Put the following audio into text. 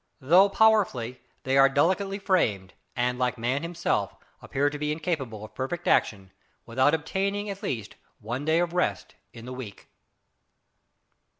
Though powerfully, they are delicately framed, and like man himself, appear to be incapable of perfect action without obtaining at the least one day of rest in the week.